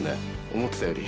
思ってたより。